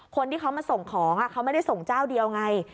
คนที่เขามาส่งของเขาไม่ได้ส่งเจ้าเดียวไง